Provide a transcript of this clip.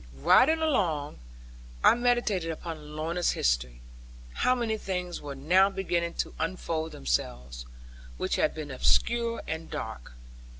Riding along, I meditated upon Lorna's history; how many things were now beginning to unfold themselves, which had been obscure and dark!